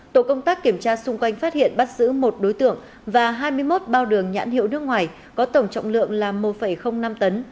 tổ công tác kiểm tra xung quanh phát hiện bắt giữ một đối tượng và hai mươi một bao đường nhãn hiệu nước ngoài có tổng trọng lượng là một năm tấn